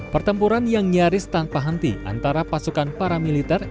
pertempuran yang nyaris tanpa henti antara pasukan paramiliter